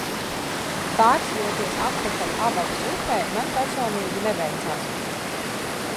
Pārceļoties atpakaļ Abavas upei, man personīgi neveicās.